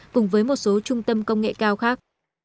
cùng với một số trung tâm công nghệ cao khác